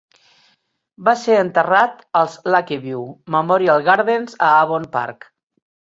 Va ser enterrat als Lakeview Memorial Gardens a Avon Park.